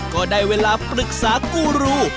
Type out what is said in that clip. ก็ได้เวลาปรึกษากูรู